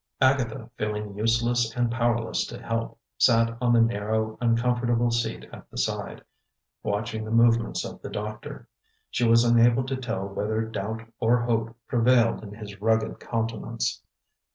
Agatha, feeling useless and powerless to help, sat on the narrow, uncomfortable seat at the side, watching the movements of the doctor. She was unable to tell whether doubt or hope prevailed in his rugged countenance.